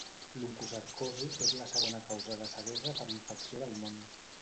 L'oncocercosi és la segona causa de ceguesa per infecció del món.